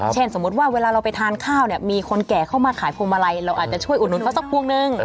สมมุติว่าเวลาเราไปทานข้าวเนี่ยมีคนแก่เข้ามาขายพวงมาลัยเราอาจจะช่วยอุดหนุนเขาสักพวงหนึ่ง